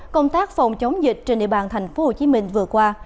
công tác phòng chống dịch trên địa bàn tp hcm vừa qua